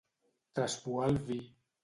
Traspuar el vi.